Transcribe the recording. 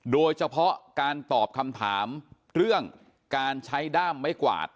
โดยเฉพาะการตอบคำถามเรื่องการใช้ด้ามไม้กวาด